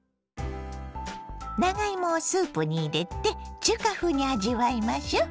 長芋をスープに入れて中華風に味わいましょ。